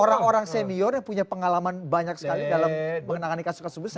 orang orang senior yang punya pengalaman banyak sekali dalam menangani kasus kasus besar